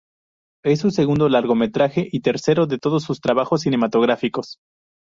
Es su segundo largometraje y el tercero de todos sus trabajos cinematográficos.